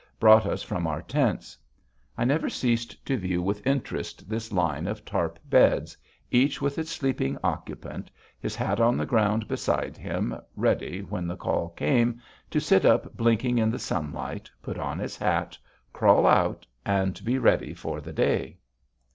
brought us from our tents. I never ceased to view with interest this line of tarp beds, each with its sleeping occupant, his hat on the ground beside him, ready, when the call came, to sit up blinking in the sunlight, put on his hat, crawl out, and be ready for the day.